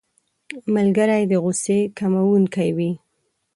ملګری د غوسې کمونکی وي